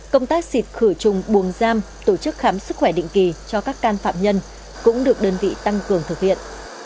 công tác xịt khử trùng buồng giam tổ chức khám sức khỏe định kỳ cho các can phạm nhân cũng được đơn vị tăng cường thực hiện